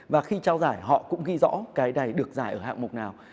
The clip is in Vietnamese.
và khi trao giải họ cũng ghi rõ cái này được giải ở hạng mục nào